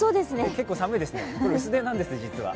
結構寒いですね、薄手なんです、実は。